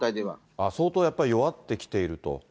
ああ、相当やっぱり弱ってきていると。